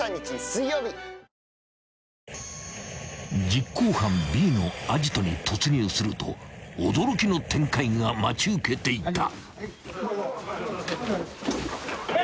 ［実行犯Ｂのアジトに突入すると驚きの展開が待ち受けていた］